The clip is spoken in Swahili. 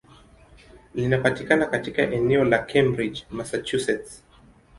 Linapatikana katika eneo la Cambridge, Massachusetts.